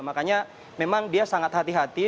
makanya memang dia sangat hati hati